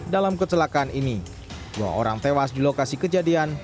dalam kecelakaan ini dua orang tewas di lokasi kejadian